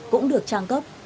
cũng được trang cấp